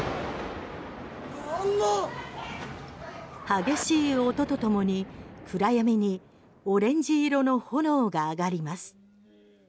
激しい音ともに暗闇にオレンジ色の炎が上がります。